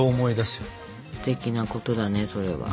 すてきなことだねそれは。